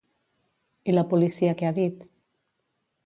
I la policia què ha dit?